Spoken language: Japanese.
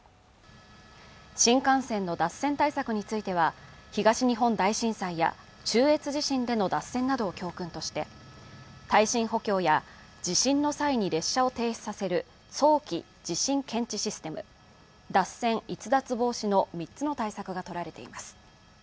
新幹線の脱線対策については東日本大震災や中越地震での脱線などを教訓として耐震補強や地震の際に列車を停止させる早期地震検知システム脱線・逸脱防止の３つの対策が取られています